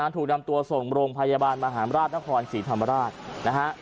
ถูกนำตัวส่งโรงพยาบาลมหาราชนครศรีธรรมราชนะฮะ